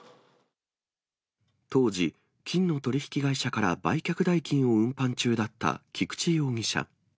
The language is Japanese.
当時、金の取り引き会社から売却代金を運搬中だった菊地容疑者。